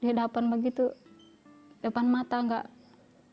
tidak dihadapan begitu depan mata tidak berpikir pikir